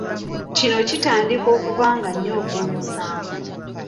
Kino kitandika okuva nga nnya ogw'omusanvu.